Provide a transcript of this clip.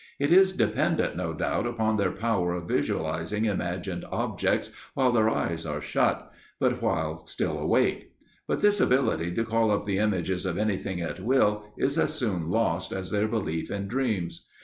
It is dependent, no doubt, upon their power of visualizing imagined objects while their eyes are shut, but while still awake; but this ability to call up the images of anything at will is as soon lost as their belief in dreams.